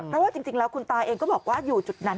เพราะว่าจริงแล้วคุณตาเองก็บอกว่าอยู่จุดนั้น